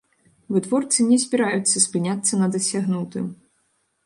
Вытворцы не збіраюцца спыняцца на дасягнутым.